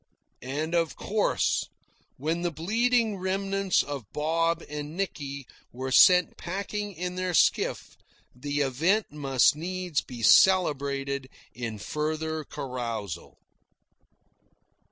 And of course, when the bleeding remnants of Bob and Nicky were sent packing in their skiff, the event must needs be celebrated in further carousal.